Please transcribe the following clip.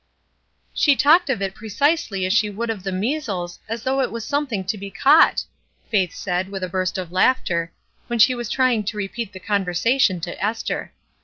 "She talked of it precisely as she would of the measles, as though it was something to be caught I" Faith said, with a burst of laughter, when she was trying to repeat the conversation to Esther.